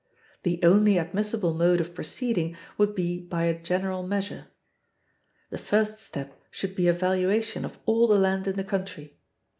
The only admissible mode of proceeding would be by a general measure. The first step should be a valuation of all the land in the country.